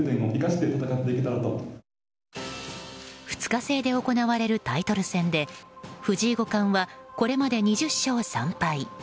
２日制で行われるタイトル戦で藤井五冠はこれまで２０勝３敗。